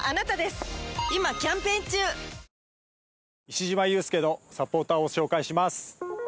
石島雄介のサポーターを紹介します